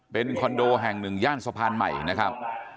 เป็นคอนโดแห่งหนึ่งย่านสะพานใหม่นะครับ